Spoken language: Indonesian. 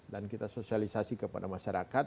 dan kita sosialisasi kepada masyarakat